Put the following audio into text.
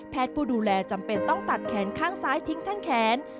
ผู้ดูแลจำเป็นต้องตัดแขนข้างซ้ายทิ้งทั้งแขน